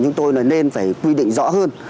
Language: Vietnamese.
chúng tôi là nên phải quy định rõ hơn